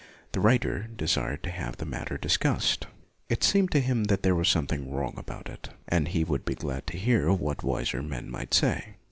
The writer desired to have the matter discussed. It seemed to him that there was something wrong about it, and he would be glad to hear what wiser men might say.